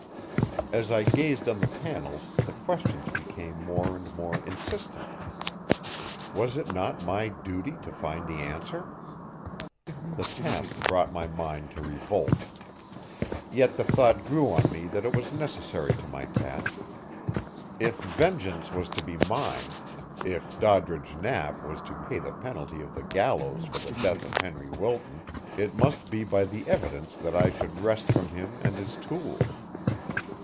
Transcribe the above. As I gazed on the panels the questions became more and more insistent. Was it not my duty to find the answer? The task brought my mind to revolt. Yet the thought grew on me that it was necessary to my task. If vengeance was to be mine; if Doddridge Knapp was to pay the penalty of the gallows for the death of Henry Wilton, it must be by the evidence that I should wrest from him and his tools.